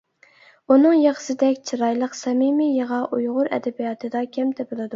ئۇنىڭ يىغىسىدەك چىرايلىق، سەمىمىي يىغا ئۇيغۇر ئەدەبىياتىدا كەم تېپىلىدۇ.